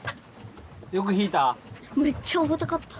よく引いた？